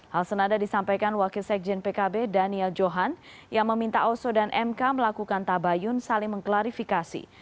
hal senada disampaikan wakil sekjen pkb daniel johan yang meminta oso dan mk melakukan tabayun saling mengklarifikasi